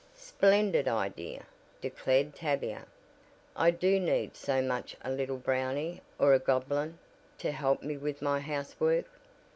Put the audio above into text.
"Splendid idea," declared Tavia, "I do need so much a little Brownie or a goblin to help me with my housework.